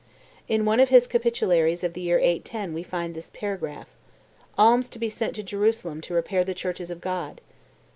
In one of his capitularies of the year 810 we find this paragraph: "Alms to be sent to Jerusalem to repair the churches of God."